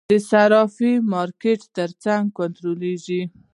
د صرافیو مارکیټ څنګه کنټرولیږي؟